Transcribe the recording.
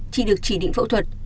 chị được chỉ định phẫu thuật